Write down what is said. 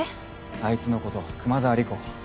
あいつのこと熊沢理子。